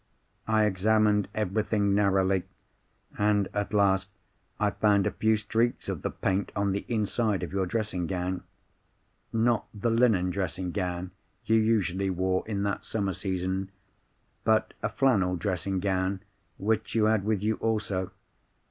"I examined everything narrowly, and at last, I found a few streaks of the paint on the inside of your dressing gown—not the linen dressing gown you usually wore in that summer season, but a flannel dressing gown which you had with you also.